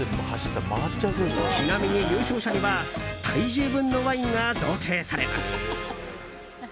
ちなみに、優勝者には体重分のワインが贈呈されます。